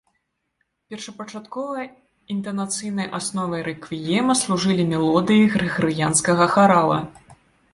Першапачаткова інтанацыйнай асновай рэквіема служылі мелодыі грыгарыянскага харала.